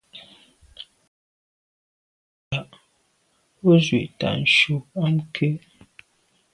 O zwi’t’a ntshu am ké.